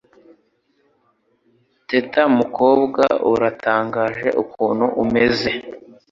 Teta mukobwa uratangaje Ukuntu umeze